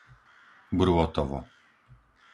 Brôtovo